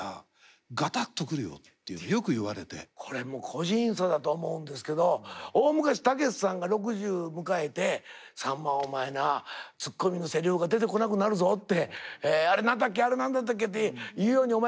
これもう個人差だとは思うんですけど大昔たけしさんが６０迎えて「さんまお前なツッコミのせりふが出てこなくなるぞ」って「あれ何だっけあれ何だったっけって言うようにお前